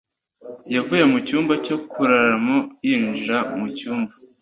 Yavuye mu cyumba cyo kuraramo yinjira mu cyumba.